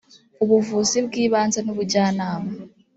ubuvuzi bw ibanze nubujyanama